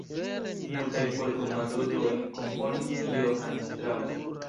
Multajn polko-mazurkojn komponis Johann Strauss.